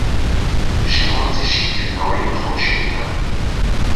شێوازی شیکردنهوهی نهخۆشییهکه